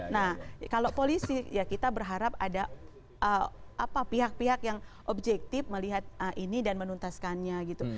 nah kalau polisi ya kita berharap ada pihak pihak yang objektif melihat ini dan menuntaskannya gitu